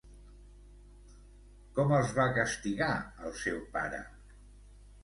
Com els va castigar el seu pare?